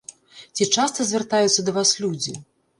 Ці часта звяртаюцца да вас людзі?